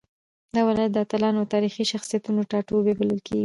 دا ولايت د اتلانو او تاريخي شخصيتونو ټاټوبی بلل کېږي.